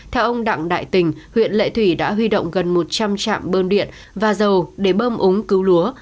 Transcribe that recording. theo ông đặng đại tình huyện lệ thủy đã huy động gần một trăm linh trạm bơm điện và dầu để bơm ống cứu lúa